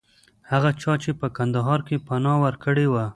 هغه چا چې په کندهار کې پناه ورکړې وه.